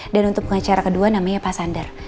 dan untuk pengacara kedua namanya pak sander